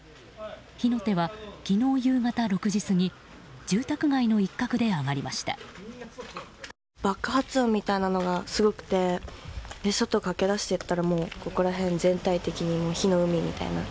火の手は昨日夕方６時過ぎ住宅街の一角で上がりました。